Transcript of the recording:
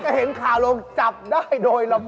ก็เห็นข่าวลงจับได้โดยระบบ